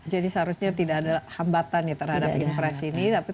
jadi seharusnya tidak ada hambatan ya terhadap impresi ini